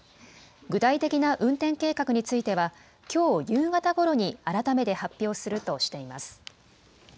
具体的な運転計画については、きょう夕方ごろに改めて発表するとしています。